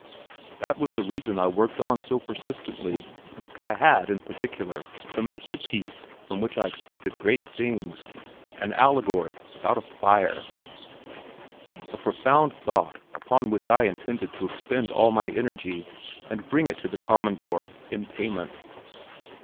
That was the reason I worked on so persistently. I had, in particular, commenced a piece from which I expected great things an allegory about a fire a profound thought upon which I intended to expend all my energy, and bring it to the "Commandor" in payment.